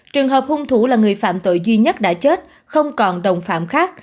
trường hợp hung thủ là người phạm tội duy nhất đã chết không còn đồng phạm khác